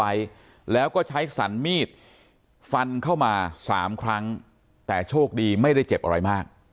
ไว้แล้วก็ใช้สันมีดฟันเข้ามาสามครั้งแต่โชคดีไม่ได้เจ็บอะไรมาก